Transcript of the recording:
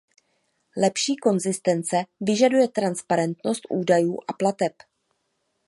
Lepší konzistence vyžaduje transparentnost údajů a plateb.